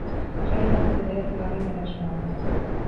Jaietako bederatzigarren erasoa da.